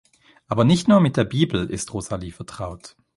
Aber nicht nur mit der Bibel ist Rosalie vertraut.